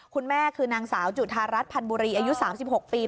คุณแม่คือนางสาวจุธารัฐพันธ์บุรีอายุ๓๖ปี